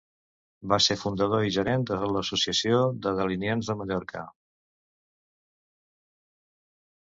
Va ser fundador i gerent de l'Associació de Delineants de Mallorca.